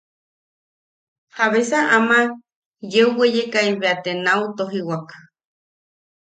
Jabesa ama yeeuwekai bea te nau tojiwak.